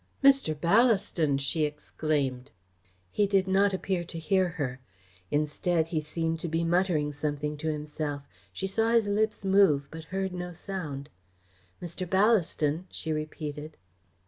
"Mr. Ballaston!" she exclaimed. He did not appear to hear her. Instead, he seemed to be muttering something to himself. She saw his lips move but heard no sound. "Mr. Ballaston!" she repeated.